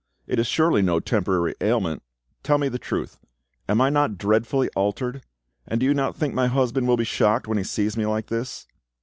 It is surely no temporary ailment. Tell me the truth: am I not dreadfully altered? and do you not think my husband will be shocked when he sees me like this?"